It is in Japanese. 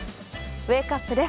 ウェークアップです。